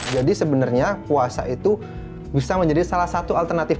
jadi sebenarnya puasa itu bisa menjadi salah satu alternatif